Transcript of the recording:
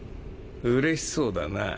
うれしそうだな。